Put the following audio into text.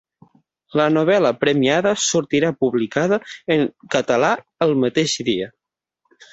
La novel·la premiada sortirà publicada en català el mateix dia.